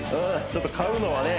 ちょっと買うのはね